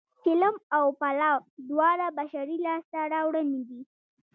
چلم او پلاو دواړه بشري لاسته راوړنې دي